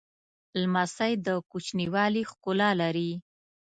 لمسی د کوچنیوالي ښکلا لري.